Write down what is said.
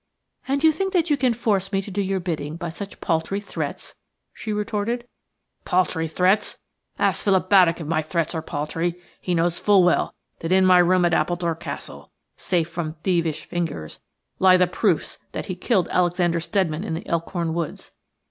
"And you think that you can force me to do your bidding by such paltry threats?" she retorted. "Paltry threats? Ask Philip Baddock if my threats are paltry. He knows full well that in my room at Appledore Castle, safe from thievish fingers, lie the proofs that he killed Alexander Steadman in the Elkhorn woods.